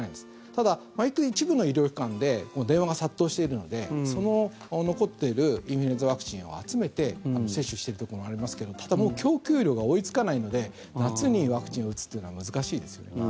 ただ、一部の医療機関で電話が殺到しているのでその残っているインフルエンザワクチンを集めて接種しているところがありますけどただ、もう供給量が追いつかないので夏にワクチンを打つというのは難しいですよね。